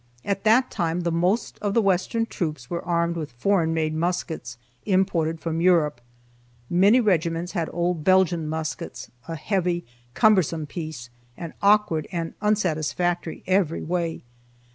At that time the most of the western troops were armed with foreign made muskets, imported from Europe. Many regiments had old Belgian muskets, a heavy, cumbersome piece, and awkward and unsatisfactory every way.